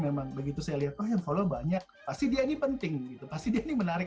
memang begitu saya lihat oh yang followers banyak pasti dia ini penting pasti dia ini menarik